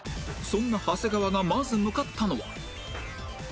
そんな長谷川がまず向かったのは